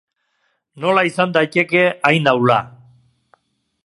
Nola izan daiteke hain ahula.